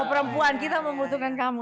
perempuan kita membutuhkan kamu